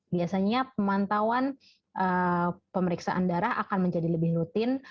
biasanya pemantauan pemeriksaan darah akan menjadi lebih rutin